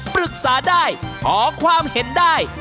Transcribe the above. ปรึกษาได้ขอความเห็นได้